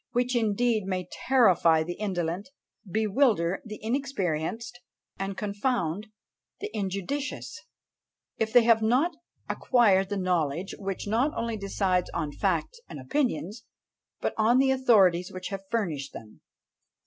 which indeed may terrify the indolent, bewilder the inexperienced, and confound the injudicious, if they have not acquired the knowledge which not only decides on facts and opinions, but on the authorities which have furnished them.